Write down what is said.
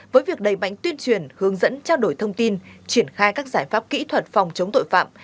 với việc đầy bánh tuyên truyền hướng dẫn trao đổi thông tin triển khai các giải pháp kỹ thuật phòng chống tội phạm